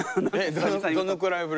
どのくらいぶり？